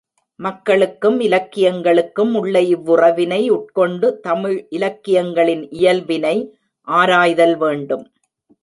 மக்களுக்கும் இலக்கியங்களுக்கும் உள்ள இவ்வுறவினை உட்கொண்டு தமிழ் இலக்கியங்களின் இயல்பினை ஆராய்தல் வேண்டும்.